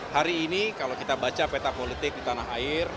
hari ini kalau kita baca peta politik di tanah air